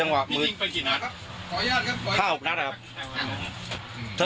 ไม่เห็นรถที่กำลังจะกำลังเอาหอมไปสู่่อ่ออออออออออ